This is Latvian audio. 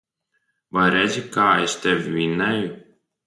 Vai redzi, kā es tevi vinnēju.